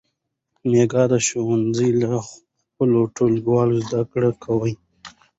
میکا د ښوونځي له خپلو ټولګیوالو زده کړې کوي.